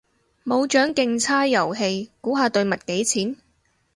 冇獎競猜遊戲，估下對襪幾錢？